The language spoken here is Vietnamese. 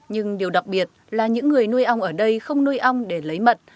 nhưng điều đặc biệt là những người nuôi ong ở đây không nuôi ong để lấy mật